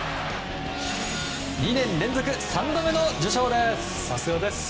２年連続、３度目の受賞です。